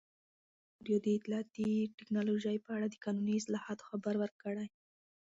ازادي راډیو د اطلاعاتی تکنالوژي په اړه د قانوني اصلاحاتو خبر ورکړی.